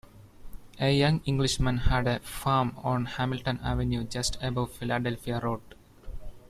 A young Englishman had a farm on Hamilton Avenue just above Philadelphia Road.